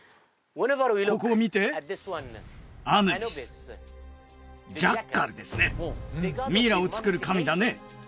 ここを見てアヌビスジャッカルですねミイラを作る神だね